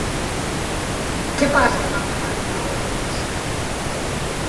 Qué passe damb era anima, alavetz?